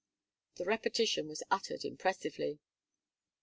The repetition was uttered impressively.